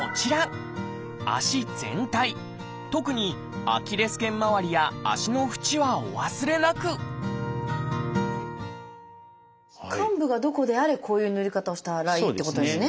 足全体特にアキレス腱まわりや足の縁はお忘れなく患部がどこであれこういうぬり方をしたらいいっていうことですね。